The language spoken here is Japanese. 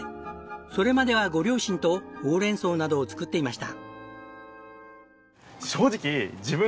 それまではご両親とほうれん草などを作っていました。